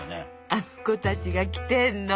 あの子たちが来てんの。